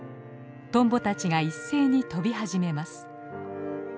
トンボたちが一斉に飛び始めます。